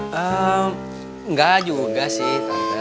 hmm nggak juga sih